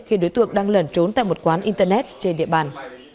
khi đối tượng đang lẩn trốn tại một quán internet trên địa bàn